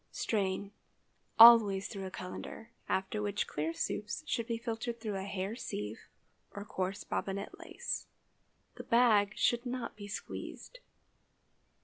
Strain—always through a cullender, after which clear soups should be filtered through a hair sieve or coarse bobbinet lace. The bag should not be squeezed.